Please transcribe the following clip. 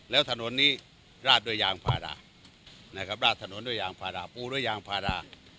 แล้วถนนนี้ราดด้วยยางพารานะครับราดถนนด้วยยางพาราปูด้วยยางพารา